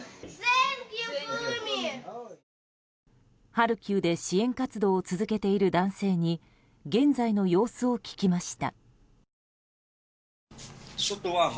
ハルキウで支援活動を続けている男性に現在の様子を聞きました。